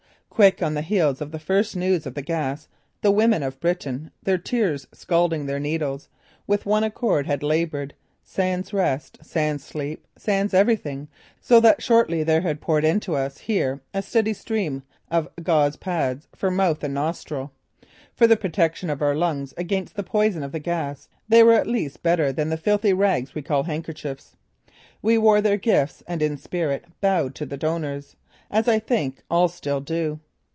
Quick on the heels of the first news of the gas the women of Britain, their tears scalding their needles, with one accord had laboured, sans rest, sans sleep, sans everything, so that shortly there had poured in to us here a steady stream of gauze pads for mouth and nostril. For the protection of our lungs against the poison of the gas they were at least better than the filthy rags we called handkerchiefs. We wore their gifts and in spirit bowed to the donors, as I think all still do.